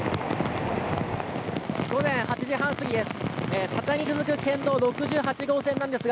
午前８時半過ぎです。